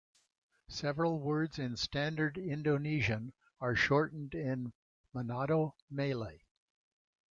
Several words in standard Indonesian are shortened in Manado Malay.